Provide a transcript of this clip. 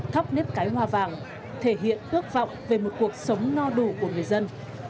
thắp nếp cái hoa vàng thể hiện ước vọng về một cuộc sống no đủ của người dân